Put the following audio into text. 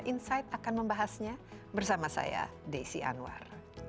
insight akan membahasnya bersama saya desi anwar